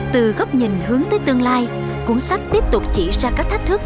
từ góc nhìn hướng tới tương lai cuốn sách tiếp tục chỉ ra các thách thức